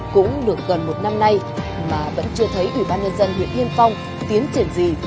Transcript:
cũng được gần một năm nay mà vẫn chưa thấy ủy ban nhân dân huyện yên phong tiến triển gì